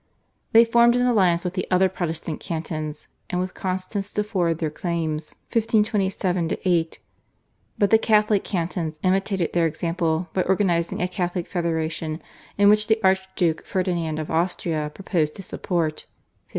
They formed an alliance with the other Protestant cantons and with Constance to forward their claims (1527 8), but the Catholic cantons imitated their example by organising a Catholic federation to which the Archduke, Ferdinand of Austria, promised his support (1529).